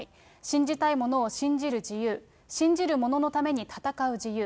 信じたいものを信じる自由、信じる者のために戦う自由。